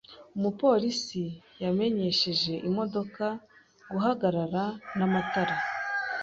Umupolisi yamenyesheje imodoka guhagarara n'amatara.